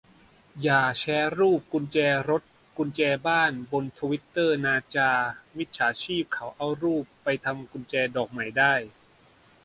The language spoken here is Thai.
อย่าแชร์รูปกุญแจรถ กุญแจบ้าน บนทวิตเตอร์นาจา มิจฉาชีพเขาเอารูปไปทำกุญแจดอกใหม่ได้